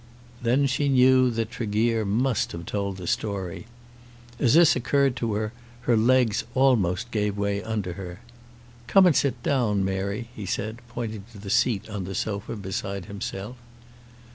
Then she knew that Tregear must have told the story. As this occurred to her, her legs almost gave way under her. "Come and sit down, Mary," he said, pointing to the seat on the sofa beside himself.